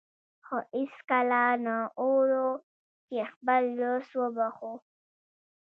خو هېڅکله نه اورو چې خپل دوست وبخښو.